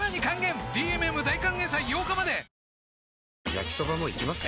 焼きソバもいきます？